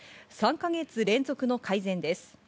３か月連続の改善です。